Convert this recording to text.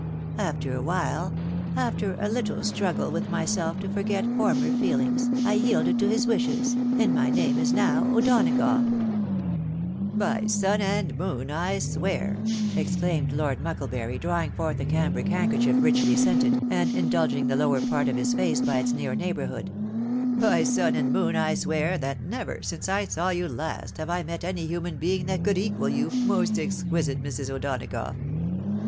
After a while — after a little struggle with myself to forget former feel ings, I yielded to his wishes, and my name is now O'Donagough." '" By sun and moon I swear," exclaimed Lord MucUebury, drawing forth' a cambric handkerchief richly scented, and in dulging the lower part of his face by its near neighbourhood, " by sun and moon I swear, that never, since I saw you last, have I met any human being that could equal you, most exquisite Mrs. O'Donagough!